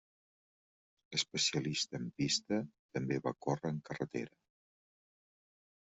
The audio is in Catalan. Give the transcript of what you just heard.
Especialista en pista, també va córrer en carretera.